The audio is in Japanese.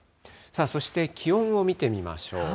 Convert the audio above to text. そして気温を見てみましょう。